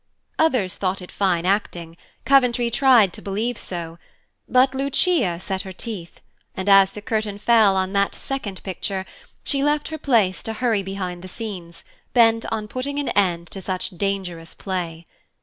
Others thought it fine acting; Coventry tried to believe so; but Lucia set her teeth, and, as the curtain fell on that second picture, she left her place to hurry behind the scenes, bent on putting an end to such dangerous play.